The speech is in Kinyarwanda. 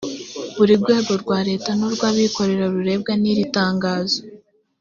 buri rwego rwa leta n urw abikorera rurebwa niri tanganzo